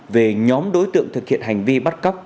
về nhóm đối tượng thực hiện hành vi bắt cóc